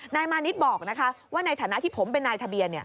มานิดบอกว่าในฐานะที่ผมเป็นนายทะเบียน